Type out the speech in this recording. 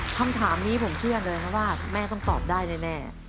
คำถามนี้ผมเชื่อเลยนะว่าแม่ต้องตอบได้แน่